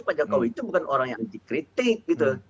pak jokowi itu bukan orang yang anti kritik gitu